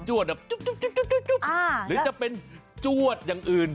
จวดแบบจุ๊บหรือจะเป็นจวดอย่างอื่น